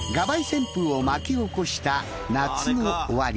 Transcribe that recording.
旋風を巻き起こした夏の終わり。